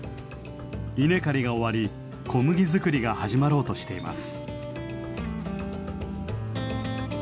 稲刈りが終わり小麦作りが始まろうとしています。